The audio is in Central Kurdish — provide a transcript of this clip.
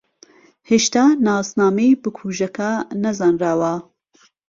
ھێشتا ناسنامەی بکوژەکە نەزانراوە.